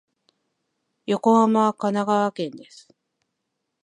横浜は神奈川県です。